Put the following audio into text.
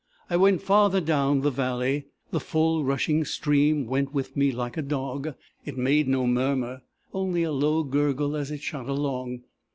I went farther down the valley. The full rushing stream went with me like a dog. It made no murmur, only a low gurgle as it shot along.